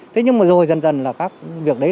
thế nhưng mà rồi dần dần là các việc đấy